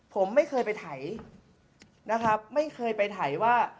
ผมไม่เคยไปไถไม่เคยไปไถว่า